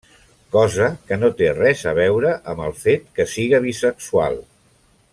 Cosa que no té res a veure amb el fet que siga bisexual.